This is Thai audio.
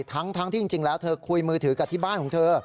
ทั้งที่จริงแล้วเธอคุยมือถือกับที่บ้านของเธอ